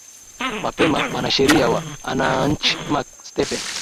mapema mwanasheria wa asanch mark stephen